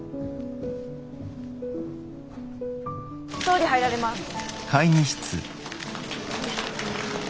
総理入られます。